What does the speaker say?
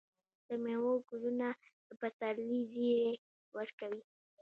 د میوو ګلونه د پسرلي زیری ورکوي.